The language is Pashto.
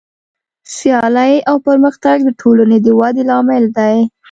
سیالي او پرمختګ د ټولنې د ودې لامل دی.